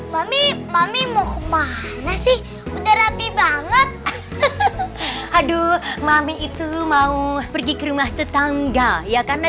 mami mami muhmah masih udah rapi banget aduh mami itu mau pergi ke rumah tetangga ya karena